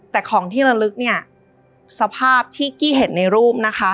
แต่ของที่ระลึกเนี่ยสภาพที่กี้เห็นในรูปนะคะ